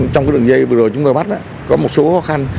trong đường dây vừa rồi chúng tôi bắt có một số khó khăn